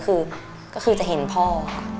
คือก็คือจะเห็นพ่อค่ะ